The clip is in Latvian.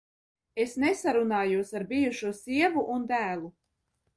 Es nesarunājos ar bijušo sievu un dēlu!